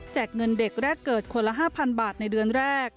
เงินเด็กแรกเกิดคนละ๕๐๐บาทในเดือนแรก